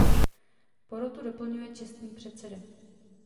Porotu doplňuje čestný předseda.